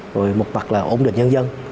rồi một bậc là ổn định nhân dân